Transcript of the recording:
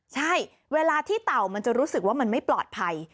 ใช่เวลาที่เต่ามันจะรู้สึกว่ามันไม่ปลอดภัย